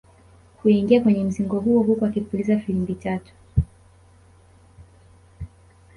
Huingia kwenye mzingo huo huku akipuliza filimbi tatu